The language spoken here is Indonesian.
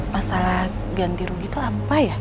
masalah ganti rugi itu apa ya